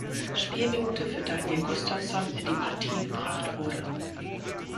Spielminute für Daniel Gustavsson in die Partie gebracht wurde.